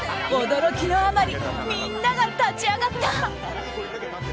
驚きのあまりみんなが立ち上がった！